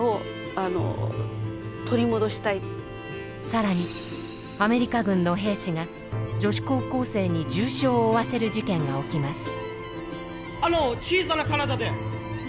更にアメリカ軍の兵士が女子高校生に重傷を負わせる事件が起きます。